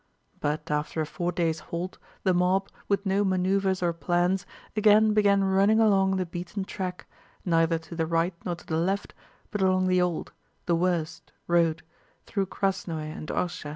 But after a four days' halt the mob, with no maneuvers or plans, again began running along the beaten track, neither to the right nor to the left but along the old—the worst—road, through Krásnoe and Orshá.